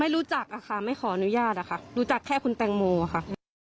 รู้จักอะค่ะไม่ขออนุญาตอะค่ะรู้จักแค่คุณแตงโมค่ะ